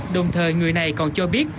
đồng thời người này còn cho biết